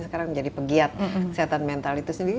sekarang menjadi pegiat kesehatan mental itu sendiri